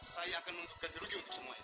saya akan menuntutkan dirugi untuk semua ini